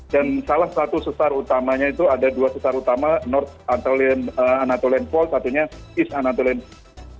dan salah satu sesar utamanya itu ada dua sesar utama north anatolian fault satunya east anatolian fault